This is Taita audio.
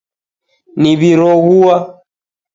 Niw'iroghua